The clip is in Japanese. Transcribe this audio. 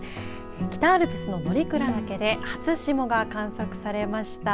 北アルプスの乗鞍岳で初霜が観測されました。